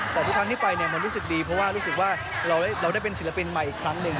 แต่ทุกครั้งที่ไปเนี่ยมันรู้สึกดีเพราะว่ารู้สึกว่าเราได้เป็นศิลปินใหม่อีกครั้งหนึ่ง